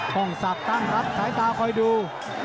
ห้องศักดิ์ตั้งรับสายตาคอยดู